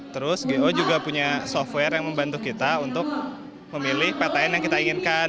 terus go juga punya software yang membantu kita untuk memilih ptn yang kita inginkan